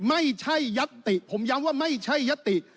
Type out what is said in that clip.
ยัตติผมย้ำว่าไม่ใช่ยัตติ